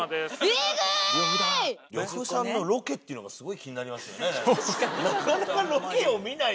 エグい！っていうのがすごい気になりますよね。